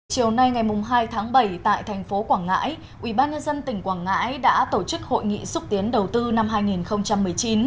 chiều nay ngày hai tháng bảy tại thành phố quảng ngãi ubnd tỉnh quảng ngãi đã tổ chức hội nghị xúc tiến đầu tư năm hai nghìn một mươi chín